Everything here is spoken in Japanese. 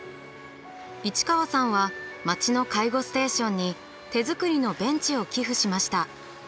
市川さんは町の介護ステーションに手作りのベンチを寄付しました。